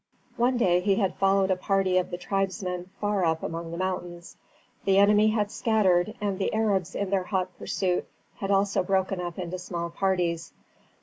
One day he had followed a party of the tribesmen far up among the mountains. The enemy had scattered, and the Arabs in their hot pursuit had also broken up into small parties.